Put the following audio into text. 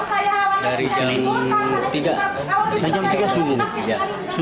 ada banyak kan